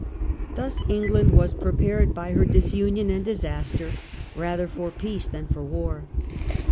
Thus England was prepared by her disunion and disaster rather for peace than for war.